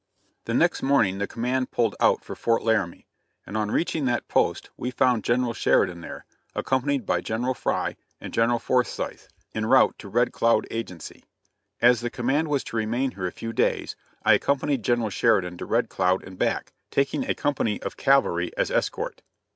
The next morning the command pulled out for Fort Laramie, and on reaching that post we found General Sheridan there, accompanied by General Frye and General Forsyth, en route to Red Cloud agency. As the command was to remain here a few days, I accompanied General Sheridan to Red Cloud and back, taking a company of cavalry as escort.